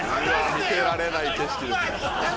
見てられない景色です